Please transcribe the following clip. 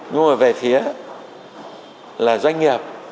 nhưng mà về phía là doanh nghiệp